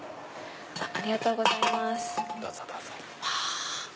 ありがとうございます。